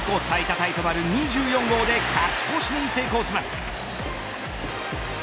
タイとなる２４号で勝ち越しに成功します